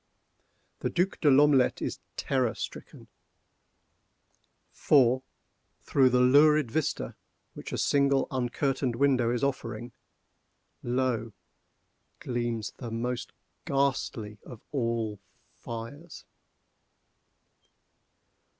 _ The Duc De L'Omelette is terror stricken; for, through the lurid vista which a single uncurtained window is affording, lo! gleams the most ghastly of all fires!